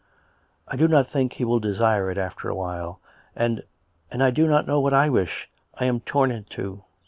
" I do not think he will desire it after a while. And ... and I do not know what I wish. I am torn in two."